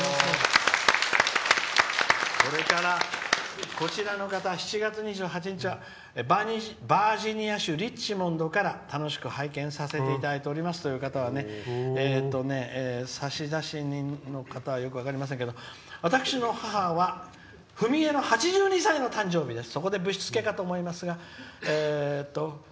それから、こちらの方７月２８日バージニア州リッチモンドから楽しく拝見させていただいておりますという方はね差出人の方はよく分かりませんけど「私の母ふみえの８２歳のお誕生日です。